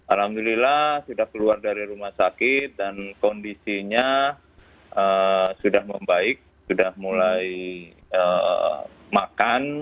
alhamdulillah sudah keluar dari rumah sakit dan kondisinya sudah membaik sudah mulai makan